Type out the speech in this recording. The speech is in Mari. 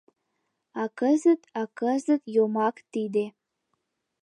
А кызыт, а кызыт — йомак тиде.